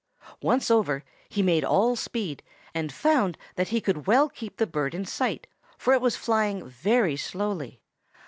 Once over, he made all speed, and found that he could well keep the bird in sight, for it was flying very slowly.